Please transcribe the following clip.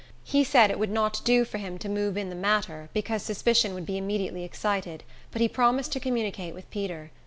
He said it would not do for him to move in the matter, because suspicion would be immediately excited; but he promised to communicate with Peter.